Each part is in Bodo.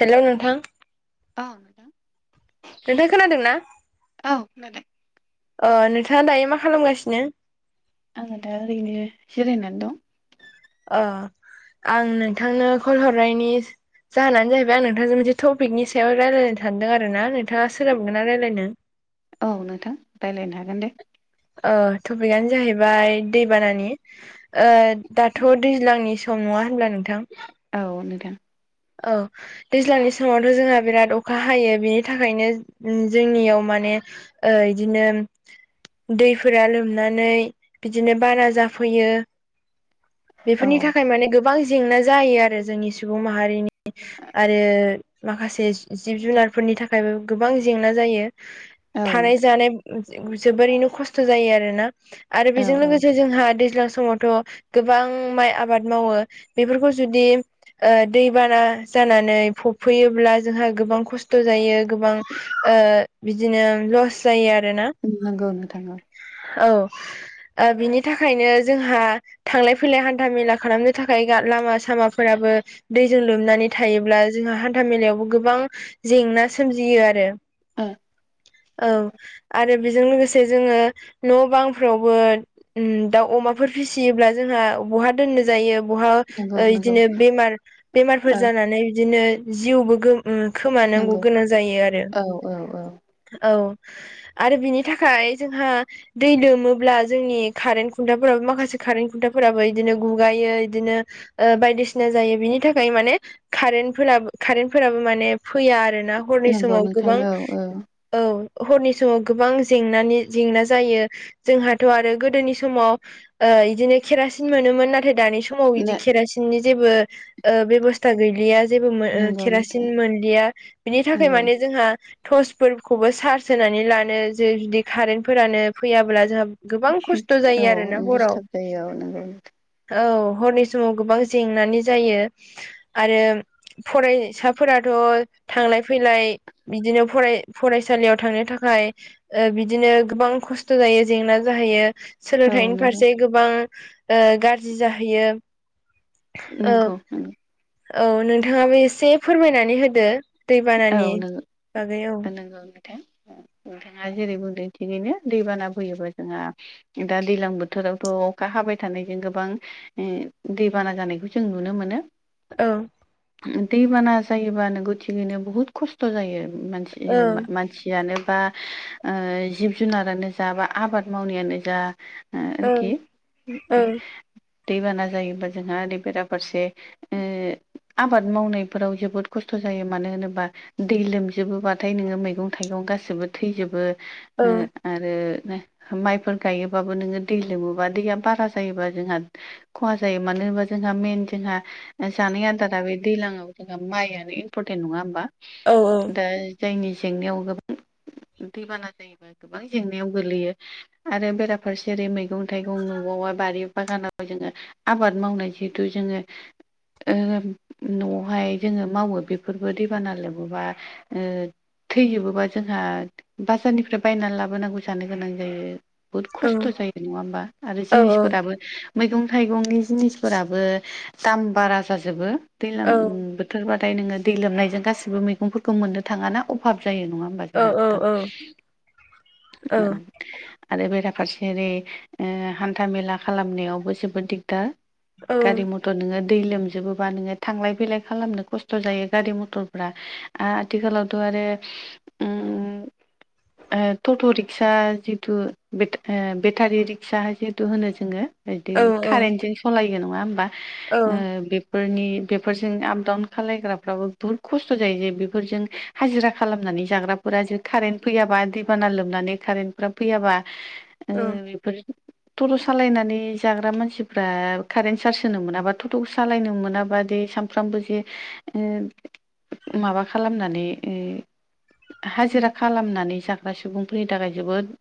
हेल' नोंथां औ नोंथां नोंथां खोनादों ना? औ खोनादों अ नोंथांङा दायो मा खालामगासिनो? आंङो दा ओरैनो जिरायनानै दं। अ आं नोंथांनो कल हरनायनि जाहोनानो जाहैबाय आं नोंथांजों मोनसे टपिकनि सायाव रायज्लायनो थानदों आरो ना नोंथांङा सोलाबगोन ना रायज्लायनो? औ नोंथां रायलायनो हागोन दे। ओ टपिकआनो जाहैबाय दैबानानि ओ दाथ' दैज्लांनि सम नङा होनब्ला नोंथां? औ नोंथां। औ। दैज्लांनि समावथ' जोंहा बिराद अखा हायो बिनि थाखायनो जोंनियाव माने ओ इदिनो दैफोरा लोमनानै बिदिनो बाना जाफैयो। औ बेफोरनि थाखाय माने गोबां जेंना जायो आरो जोंनि सुबुं माहारिनि आरो माखासे जिब जुनारफोरनि थाखायबो गोबां जेंना जायो। औ थानाय नोंथां जानाय जोबोरैनो खस्थ' जायो आरोना। आरो औ बेजों औ लोगोसे जोंहा दैज्लां समावथ' गोबां माइ आबाद मावो बेफोरखौ ओ जुदि दै बाना जानानै फबफैयोब्ला जोंहा गोबां खस्थ' जायो गोबां ओ बिदिनो लस जायो आरो ना। नोंगौ नोंथां औ। औ ओ बिनि थाखायनो जोंहा थांलाय फैलाय हान्था मेला खालामनो थाखाय गा लामा सामाफोराबो दैजों लोमनानै थायोब्ला जोंहा हान्था मेलायावबो गोबां जेंना सोमजियो आरो। ओ। ओं आरो बेजों लोगोसे जोंङो न' बांफ्रावबो उम दाउ अमाफोर फिसियोब्ला जोंहा बहा दोननो जायो। बहा नंगौ नंगौ इदिनो बे बेमार बेमारफोर ओ जानानै बिदिनो जिउबो गो खोमानांगौ नंगौ गोनां जायो आरो औ औ औ औ। आरो बिनि थाखाय जोंहा दै लोमोब्ला जोंनि कारेन्ट खुन्थाफोराबो माखासे कारेन्ट खुन्थाफोराबो बिदिनो गुगायो इदिनो ओ बायदिसिना जायो बिनि थाख ओमफाय माने कारेन्टफोराबो कारेन्टफोराबो माने फैया आरो ना। हरनि नंगौ समाव नोंथां गोबां औ औ औ हरनि समाव गोबां जेंनानि जेंना जायो। जोंहाथ' आरो गोदोनि समाव ओ बिदिनो केरासिन मोनोमोन नाथाय दानि स समाव बिदि नो केरासिननि जेबो ओ बेब'स्था गैलिया। जेबो मो नंगौ केरासिन नोंथां मोनलिया बिनि थाखाय नंगौ माने जोंहा टर्च फोरखौबो चार्ज होनानै लानो जे जुदि कारेन्टफोरानो फैयाब्ला जोंहा गोबां खस्थ' जायो औ आरो ना हराव। दिस्टार्ब जायो औ नंगौ औ हरनि समाव गोबां जेंनानि जायो आरो फरायसाफोराथ' थांलाय फैलाय बिदिनो फराय फरायसालियाव थांनो थाखाय ओ बिदिनो गोबां खस्थ' जायो जेंना जाहैयो। औ सोलोंथाइनि नंगौ फारसे गोबां ओ गाज्रि जाहैयो। औ नंगौ नंगौ। औ नोंथांङाबो एसे फोरमायनानै होदो औ दैबानानि नंगौ बागै औ [inaudible] नोंथांङा जेरै बुंदों थिगैनो दैबाना फोयोबा जोंहा दा दैज्लां बोथोरावथ' अखा हाबाय थानायजों गोबां [unintelligible] दैबाना जानायखौ जों नुनो मोनो। औ। दैबाना जायोबा नोंगौ थिगैनो बुहुत खस्थ' जायो मानसि औ मा मानसि यानो बा ओ जिब जुनारानो जा बा आबाद मावनायानो जा ओ औ आरोखि औ [unintelligible] दैबाना जायोबा जोंहा ओरै बेराफारसे ओ आबाद मावनायफोराव जोबोद खस्थ' जायो मानो होनोबा दै लोमजोबोबाथाय नोङो मैगं थाइगं गाैबो थैजोबो। औ ओ आरो माइफोर गायोबाबो नोङो दै लोमोबा दैया बारा जायोबा जोंहा खहा जायो मानो होनबा जोंहा मेन जोंहा जानाय आदारा बे दैलाङाव जोंहा माइयानो परटेन्ट नंङा होमबा औ दा जायनि जेंनायाव गोबां दैबाना जायोबा गोबां जेंनायाव गोल्लैयो आरो बेराफारसे ओरै मैगं थाइगं नुवावबा बारि बागानाव जोंङो आबाद मावनाय जिहेथु जोंङो ओ न'आवहाय जोंङो मावो बे बेफोरबो दैबाना लोमोबा ओ थैजोबोबा जोंहा बाजारनिफ्राय बायनानै लाबोनाबो जानो गोनां जायो। बुहुत औ खस्थ' जायो नङा होमबा आरो औ जिनिसफोराबो मैगं थाइगंनि जिनिसफोराबो दाम बारा जाजोबो दैज्लां बोथोर थोरबाथाय नोङो दै लोमनायजों गासिबो मैगंफोरखौ मोननो थाङा ना। अभाब जायो। नङा होमबा औ जोंहा नोंथां? ओ आरो बेराफारसे ओरै ओ हान्था मेला खालामनायावबो जोबोद दिगदार। औ गारि मथर नोङो दै लोमजोबोबा नोङो थांलाय फैलाय खालामनो खस्थ' जायो। गारि मथरफ्रा आथिखालावथ' आरो उम ओ टट' रिक्सा जितु बेथ ओ बेटारि रिक्सा जिहतु होनो जोङो [unintelligible] कारेन्टजों सलायो नङा होमबा ओ बे फोरनि बेफोरजों आप डाउन खालायग्रा फ्राबो बुहुत खस्थ' जायो जे बेफोरजों हाजिरा खालामनानै जाग्राफोरा जे कारेन्ट फैयाबा दैबाना लोबनानै कारेन्टफ्रा फैयाबा [inaudible] ओ बेफोर टट' सालायनानै जाग्रा मानसिफ्रा कारेन्ट चार्ज होनो मोनाबा टट'खौ सालायनो मोनाबा दे साम फ्रामबो जे ओ माबा खालामनानै ओ हाजिरा खालामनानै जाग्रा सुबुंफोरनि थाखाय जोबोद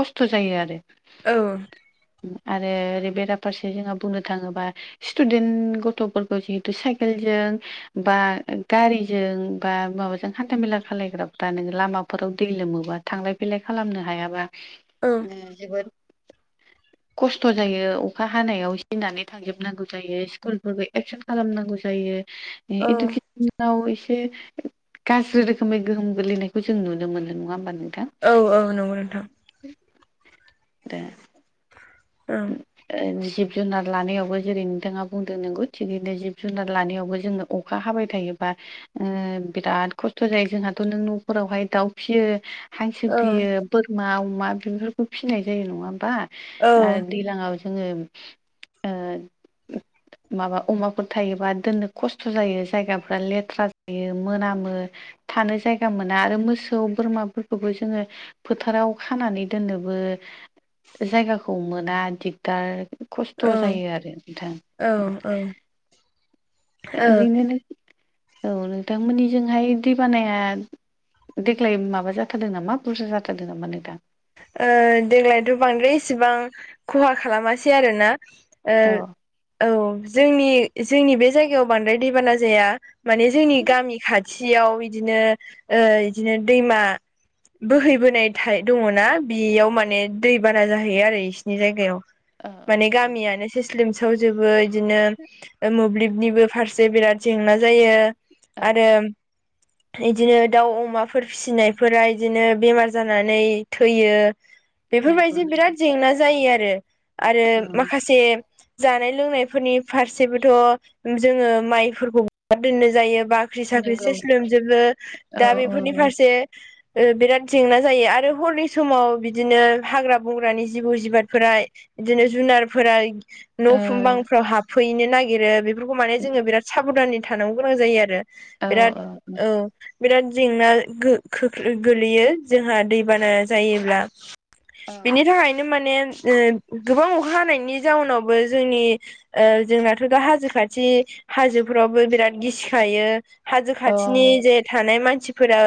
खस्थ' जायो आरो। औ। उम आरो ओरै बेराफारसे जोंहा बुंनो थाङोबा स्टुदेन गथ'फोरखौ जिहेतु साइकेलजों बा गारिजों बा माबाजों हान्थामेला खालायग्राफ्रा नोङो लामाफोराव दै लोमोबा थांलाय फैलाय खालामनो हायाबा औ ओ जोबोर [inaudible] खस्थ' जायो अखा हानायाव सिनानै थांजोबनांगौ जायो स्कुल फोरबो एकसन खालामनांगौ जायो ए इदुके आव एसे गाज्रि रोखोमै गोहोम गोग्लैनायखौ जों नुनो मोनो नङा होमबा नोंथां? औ औ नंगौ नोंथां। रो ओं। ओ जिब जुनार लानायावबो जेरै नोंथाङा बुंदों नोंगौ थिगैनो जिब जुनार लानायावबो जोंनो अखा हाबाय थायोबा ओ बिराद खस्थ' जायो जोंहाथ' नों न'फोरावहाय दाउ फियो। हांसो औ फियो बोरमा अमा बेफोरखौ फिसिनाय जायो। नङा होमबा? औ आरो दैलाङाव जोङो ओ [inaudible] माबा अमाफोर थायोबा दोननो खस्थ' जायो जायगाफ्रा लेथ्रा जायो मोनामो थानो जायगा मोना आरो मोसौ बोरमाफोरखौबो जोङो फोथाराव खानानै दोननोबो जायगाखौ मोना दिगदार खस्थ' औ जायो आरो नोंथां औ ओं ओ ओरैनो नों औ नोंथांमोननिजोंहाय दै बानाया देग्लाय माबा जाथारदों नामा बुरजा जाथारदों नामा नोंथां देग्लायथ' बांद्राय इसेबां खहा खालामासै आरोना औ औ जोंनि जोंनि बे जायगायाव बांद्राय दैबाना जाया माने जोंनि गामि खाथ थियाव इदिनो ओ इदिनो दैमा बोहैबोनाय थाइ दङना बियाव माने दै बाना जाहैयो आरो इसिनि जायगायाव। औ माने औ गामियानो सेस लोमसावजोबो इदिनो ओ मोब्लिबनिबो फारसे बिराद जेंना जायो। औ आरो इदिनो दाउ अमाफोर फिसिनायफोरा बिदिनो बेमार जानानै थैयो नंगौ बेफोरबायदि नोंथां बिराद जेंना जायो आरो। आरो औ माखासे जानाय लोंनायफोरनि फारसेबोथ' जोङो माइफोरखौ बहा दोननो जायो बा ख्रि साख्रि नंगौ सेस लोमजोबो औ दा बेफोरनि औ फारसे बिराद जेंना जायो आरो हरनि समाव बिदिनो हाग्रा बंग्रानि जिबौ जिबादफोरा बिदिनो जुनारफोरा औ न' फुं बांफ्राव हाबहैनो नागिरो बेफोरखौ माने जोङो बिराद साबधानै थानांगौ गोनां जायो आरो बिराद औ औ बिराद जेंना खो गोलैयो जोंहा दै बाना जायोब्ला बिनि थाखाय बिनो माने ओ गोबां अखा हानायनि जाउनावबो जोंनि ओ जोंनाथ' दा हाजो खाथि हाजोफोरावबो बिराद गिसिखायो हाजो औ खाथिनि जे थानाय मानसिफोरा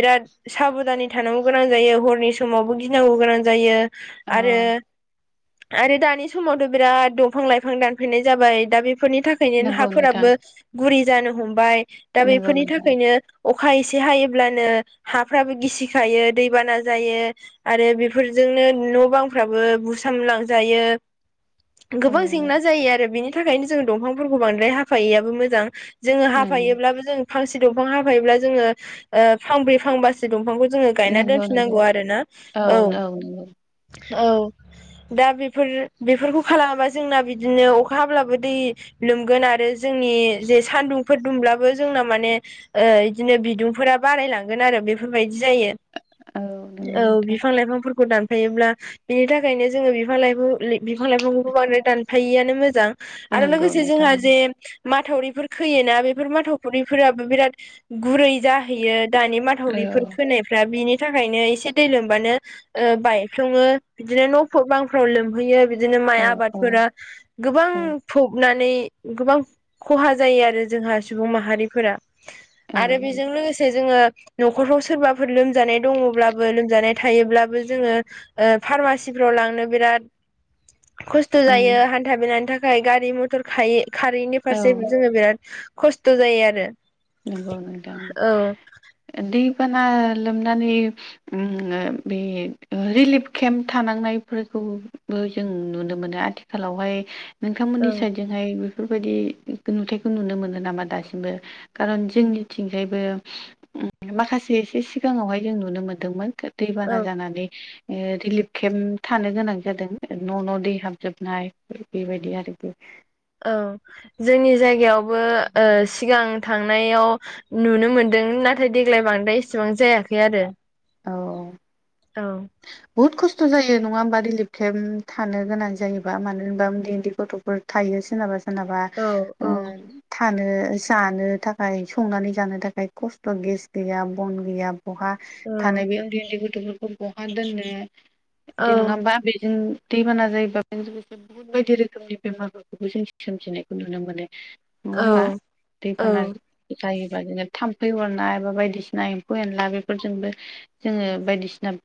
बिराद साबधानै थानांगौ गां जायो हरनि समावबो गिनांगौ गोनां जायो औ आरो आरो दानि समावथ' बिराद दंफां लाइफां दानफैनाय जाबाय दा बेफोरनि थाखाय नो नंगौ नोंथां हाफोराबो गुरि जानो हमबाय दा नंगौ बेफोरनि नोंथां थाखायनो - अखा एसे हायोब्लानो हाफ्राबो गिसिखायो दैबाना जायो आरो बेफोरजोंनो न' बांफ्राबो बुसाम लांजायो औ गोबां जेंना जायो आरो बिनि थाखायनो जों दंफांफोरखौ बांद्राय हाफायैयाबो मोजां जोङो नंगौ हाफायोब्लाबो जों फांसे दंफां हाफायोब्ला जोङो फांब्रै फांबासे दंफांखौ जोङो गायना नंगौ नंगौ दोनफिननांगौ आरोना औ औ दा बेफोर बेफोरखौ खालामाबा जोंना बिदिनो अखा हाब्लाबो दै लोमगोन आरो जोंनि जे सानदुंफोर दुंब्लाबो जोंना माने ओ इदिनो बिदुंफोरा बारायलांगोन आरो बेफोरबायदि जायो औ नंगौ औ नोंथां बिफां लाइफांफोरखौ दान फायोब्ला बिनि थाखायनो जोङो बिफां लाइ बिफां लाइफांखौबो बांद्राय दानफायैआानो मोजां आरो नंगौ लोगोसे नोंथां जोंहा जे माथावरिफोर खोयोना बेफोर माथावफुरिफोराबो बिराद गुरै जाहैयो दानि माथ औ फाथावरिफोर खोनायफ्रा बिनि थाखायनो एसे दै लोमबानो ओ बायफ्लङो बिदिनो न' बांफ्राव लोमहैयो बि बिदिनो माइ औ औ आबादफोरा गोबां औ फबनानै गोबां खहा जायो आरो जोंहा सुबुं माहारिफोरा आरो बेजों लोगोसे जोङो न'खरफ्राव सोरबा फोर लोमजानाय दङब्लाबो लोमजानाय थायोब्लाबो जोङो ओ फार्मासिफ्राव लांनो बिराद खस्थ' जायो ओं हान्था बेलानि थाखाय गारि मथर खायै खारैनि औ फारसे जोङो बिराद खस्थ' जायो आरो नंगौ नोंथां औ दैबाना लोमनानै बे रिलिफ केम्प थानांनायफोरखौ बो जों नुनो मोनो आथिखालावहाय औ नोंथांमोननि साइदजोंहाय बेफोरबायाददि नुथायखौ नुनो मोनो नामा दासिमबो खारन जोंनिथिंगायबो माखासे एसे सिगाङावहाय जों नुनो मोन्दोंमोन औ दैबाना जानानै रिलिफ केम्प थानो गोनां जादों न' न' दै हाबजोबनाय बेबायदि आरोखि औ जोंनि जायगायावबो सिगां थांनायाव नुनो मोनदों नाथाय देग्लाय बांद्राय एसेबां जायाखै आरो औ औ औ बुहुत खस्थ' जायो नङा होमबा रिलिफ केम्प थानो गोनां जायोबा मानो होनबा उन्दै उन्दै गथ' फोर थायो सोरनाबा सोरनाबा औ औ ओ थानो जानो थाखाय संनानै जानो थाखाय खस्थ' गेस गैया बन गैया बहा थानाय बे उन्दै उन्दै गथ'फोरखौ बहा दोननो बिदि नङा औ होमबा बेजों दैबाना जायोबा बे लोगोसे बुहुत बायदि रोखोमनि बेमारफोरखौबो जों सोमजिनायखौ नुनो मोनो नङा होमबा औ दैफान औ जायोबा जोङो थाम्फै अरनाय एबा बायदिसिना एम्फौ एनला बेफोरजोंबो जोङो बायदिसिना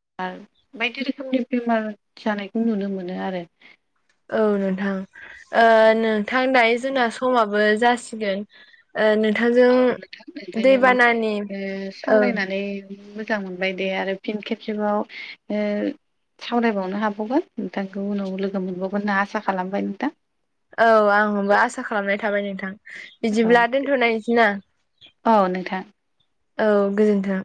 बायदि रोखोमनि बेमार जानायखौ नुनो मोनो आरो औ नोंथां ओ नोंथां दायो आरो जोंना समाबो जासिगोन ओ नोंथांजों औथां ओमाय नों दैबानानि ओ औ सावरायनानै मोजां मोनबाय दे आरो फिन खेबसेबाव ओ सावरायबावनो हाबावगोन नोंथांखौ उनाव लोगो मोनबावगोन होनना आसा खालामबाय नोंथां औ आं हमबा आसा खालामनाय थाबाय नोंथां बिदिब्ला औ दोनथ'नायसै ना औ नोंथां औ गोजोनथों